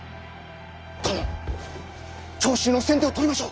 殿長州の先手を取りましょう。